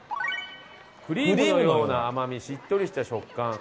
クリームのような甘みしっとりした食感。